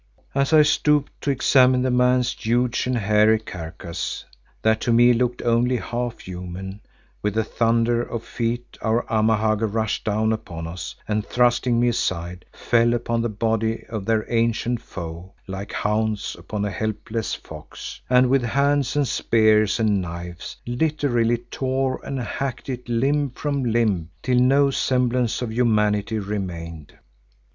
As I stooped to examine the man's huge and hairy carcase that to me looked only half human, with a thunder of feet our Amahagger rushed down upon us and thrusting me aside, fell upon the body of their ancient foe like hounds upon a helpless fox, and with hands and spears and knives literally tore and hacked it limb from limb, till no semblance of humanity remained.